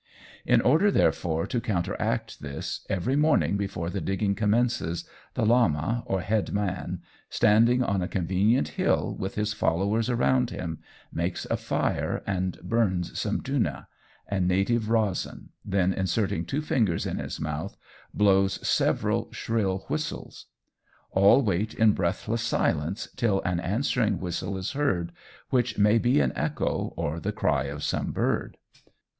In order, therefore, to counteract this, every morning, before the digging commences, the lama or headman, standing on a convenient hill with his followers around him, makes a fire and burns some dhuna, a native resin, then, inserting two fingers in his mouth, blows several shrill whistles. All wait in breathless silence till an answering whistle is heard, which may be an echo or the cry of some bird.